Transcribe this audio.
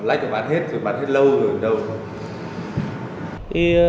láy cho bán hết dự bán hết lâu rồi đâu